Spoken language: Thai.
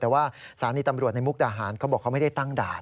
แต่ว่าสถานีตำรวจในมุกดาหารเขาบอกเขาไม่ได้ตั้งด่าน